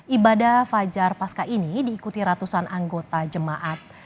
ibadah fajar pasca ini diikuti ratusan anggota jemaat